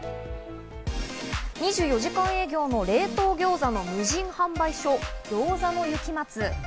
２４時間営業の冷凍餃子の無人販売所、餃子の雪松。